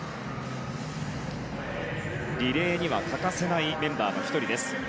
リレーには欠かせないメンバーの１人です。